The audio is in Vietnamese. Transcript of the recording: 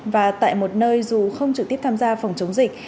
và tại một nơi dù không trực tiếp tham gia phòng chống dịch